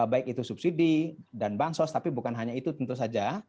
baik itu subsidi dan bansos tapi bukan hanya itu tentu saja